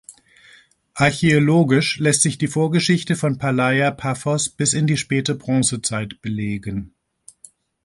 Archäologisch lässt sich die Vorgeschichte von Palaia Paphos bis in die späte Bronzezeit belegen.